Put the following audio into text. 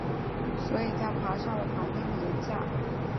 所以他爬上了旁边的岩架。